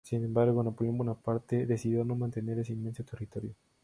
Sin embargo, Napoleón Bonaparte decidió no mantener ese inmenso territorio.